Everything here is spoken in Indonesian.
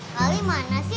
kali mana sih